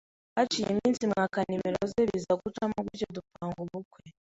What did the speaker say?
haciye iminsi mwaka nomero ze biza gucamo gutyo dupanga ubukwe